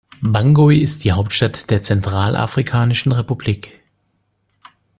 Bangui ist die Hauptstadt der Zentralafrikanischen Republik.